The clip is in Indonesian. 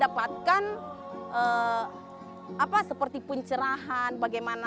saya tidak pernah mendapatkan seperti pencerahan bagaimana